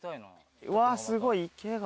うわすごい池が。